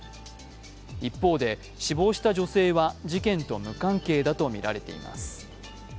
一方で、死亡した女性は事件と無関係だとみられています。